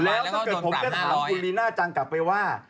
แล้วถ้าเกิดผมจะถามคุณวินาจังอีกทีถามหลังจากไปว่า